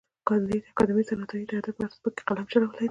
کانديد اکاډميسن عطايي د ادب په هر سبک کې قلم چلولی دی.